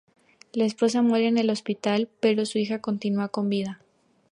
La esposa muere en el hospital, pero su hija continúa con vida.